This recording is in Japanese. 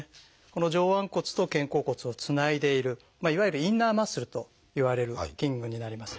この上腕骨と肩甲骨をつないでいるいわゆるインナーマッスルといわれる筋群になります。